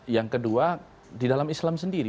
yang kedua di dalam islam sendiri